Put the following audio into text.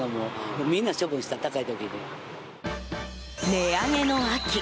値上げの秋。